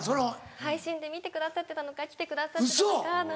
配信で見てくださってたのか来てくださってたのか。